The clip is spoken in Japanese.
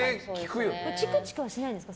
チクチクはしないんですか？